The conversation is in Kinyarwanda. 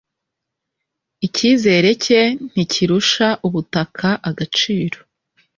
icyizere cye ntikirusha ubutaka agaciro